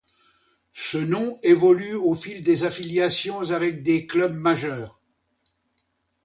Ce nom évolue au fil des affiliations avec des clubs majeurs.